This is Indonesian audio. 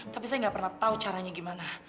tapi saya nggak pernah tahu caranya gimana